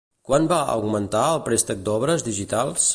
Quant va augmentar el préstec d'obres digitals?